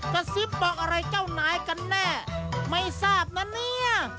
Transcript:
กระซิบบอกอะไรเจ้านายกันแน่ไม่ทราบนะเนี่ย